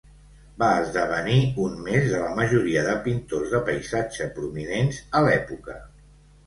Va esdevenir un més de la majoria de pintors de paisatge prominents a l'època.